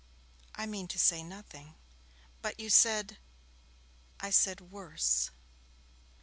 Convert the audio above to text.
'I mean to say nothing.' 'But you said ' 'I said "worse".'